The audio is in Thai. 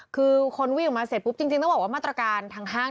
คือคนวิ่งออกมาเสร็จปุ๊บจริงต้องบอกว่ามาตรการทางห้าง